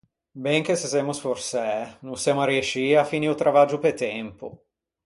Ben che se semmo sforsæ, no semmo arriescii à finî o travaggio pe tempo.